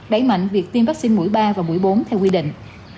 đẩy mạnh việc tiêm vaccine mũi ba và mũi bốn theo quy định